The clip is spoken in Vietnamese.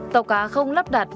tàu cá không lắp đặt